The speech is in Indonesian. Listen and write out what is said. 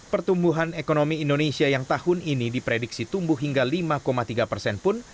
pertumbuhan ekonomi indonesia yang tahun ini diprediksi tumbuh hingga lima tiga persen pun